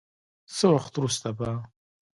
څه وخت وروسته به